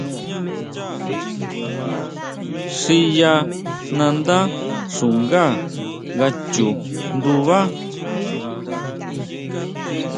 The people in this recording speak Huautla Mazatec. Xiya nandá xungá nga chu ndunbá.